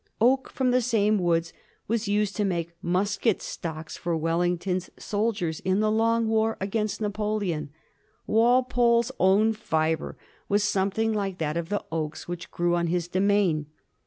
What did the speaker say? Oak from the same woods was used to make musket stocks for Wel lington's soldiers in the long war against Napoleon. Wal pole's own fibre was something like that of the oaks which grew on his domain.